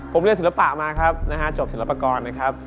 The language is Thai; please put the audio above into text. ผมเรียนศิลปะมาครับนะฮะจบศิลปากรนะครับ